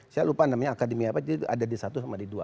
saya lupa namanya akademi apa ada di satu sama di dua